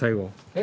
え？